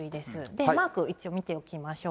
で、マーク、一応見ておきましょう。